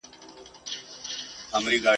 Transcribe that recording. یو جهاني نه یم چي په دام یې کښېوتلی یم ..